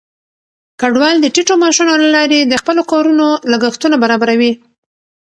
کډوال د ټیټو معاشونو له لارې د خپلو کورونو لګښتونه برابروي.